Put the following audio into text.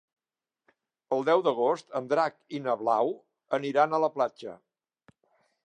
El deu d'agost en Drac i na Blau aniran a la platja.